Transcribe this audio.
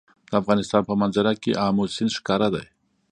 د افغانستان په منظره کې آمو سیند ښکاره دی.